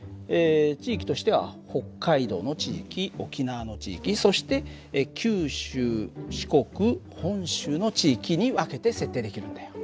地域としては北海道の地域沖縄の地域そして九州四国本州の地域に分けて設定できるんだよ。